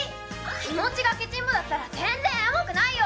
気持ちがけちんぼだったら全然エモくないよ！